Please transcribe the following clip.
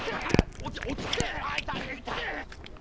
落ち着けっ！